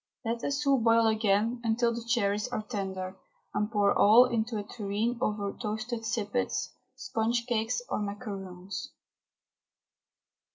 Let the soup boil again until the cherries are tender, and pour all into a tureen over toasted sippets, sponge cakes, or macaroons.